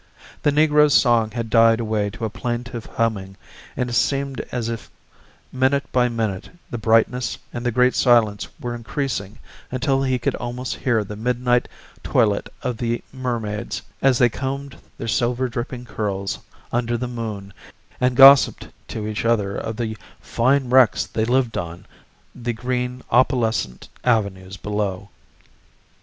The negroes' song had died away to a plaintive humming and it seemed as if minute by minute the brightness and the great silence were increasing until he could almost hear the midnight toilet of the mermaids as they combed their silver dripping curls under the moon and gossiped to each other of the fine wrecks they lived on the green opalescent avenues below.